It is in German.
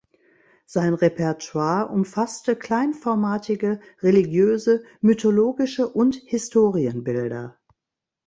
Sein Repertoire umfasste kleinformatige religiöse, mythologische und Historienbilder.